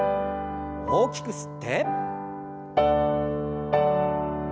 大きく吸って。